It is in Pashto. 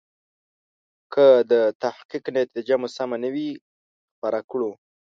که د تحقیق نتیجه مو سمه نه وي خپره کړو.